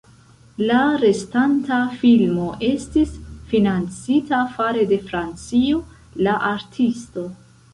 La restanta filmo estis financita fare de Francio: "La Artisto".